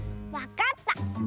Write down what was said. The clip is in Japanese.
わかった！